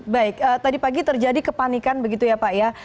baik tadi pagi terjadi kepanikan begitu ya pak ya